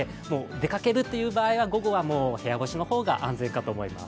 出かける場合は午後は部屋干しの方が安全かと思います。